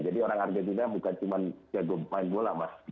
jadi orang argentina bukan cuma jago main bola mas